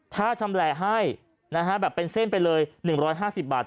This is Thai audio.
ถ้าชำแหละให้แบบเป็นเส้นไปเลย๑๕๐บาท